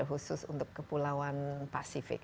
khusus untuk kepulauan pasifik